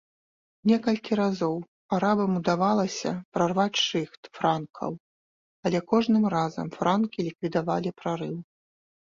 Некалькі разоў арабам удавалася прарваць шыхт франкаў, але кожным разам франкі ліквідавалі прарыў.